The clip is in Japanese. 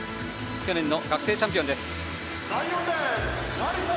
去年の学生チャンピオンです。